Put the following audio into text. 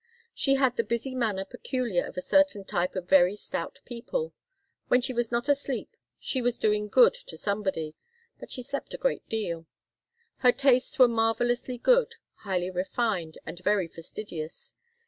She had the busy manner peculiar to a certain type of very stout people. When she was not asleep she was doing good to somebody but she slept a great deal. Her tastes were marvellously good, highly refined, and very fastidious.